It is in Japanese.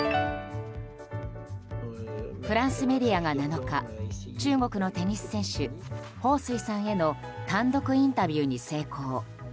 フランスメディアが７日中国のテニス選手ホウ・スイさんへの単独インタビューに成功。